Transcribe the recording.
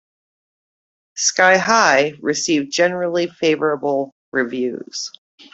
"Sky High" received generally favorable reviews.